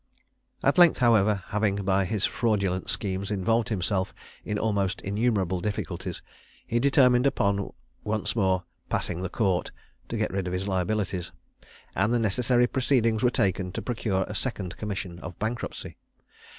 At length, however, having by his fraudulent schemes involved himself in almost innumerable difficulties, he determined upon once more "passing the court," to get rid of his liabilities; and the necessary proceedings were taken to procure a second commission of bankruptcy.